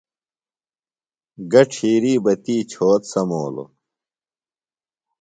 گہ ڇِھیری بہ تی چھوت سمولوۡ۔